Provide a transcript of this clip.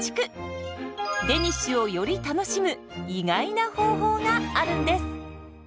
デニッシュをより楽しむ意外な方法があるんです。